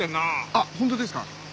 あっ本当ですか？